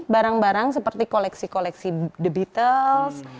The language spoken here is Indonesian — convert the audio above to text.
barang barang seperti koleksi koleksi the beatles